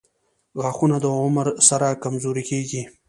• غاښونه د عمر سره کمزوري کیږي.